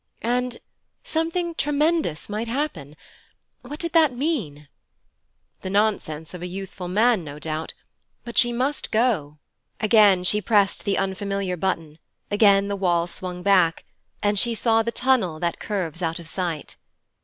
And 'something tremendous might happen'. What did that mean? The nonsense of a youthful man, no doubt, but she must go. Again she pressed the unfamiliar button, again the wall swung back, and she saw the tunnel that curves out of sight.